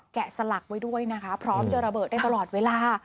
สลักไว้ด้วยนะคะพร้อมจะระเบิดได้ตลอดเวลา